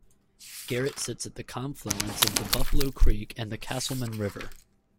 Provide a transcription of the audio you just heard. Garrett sits at the confluence of the Buffalo Creek and the Casselman River.